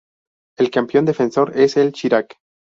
El campeón defensor es el Shirak.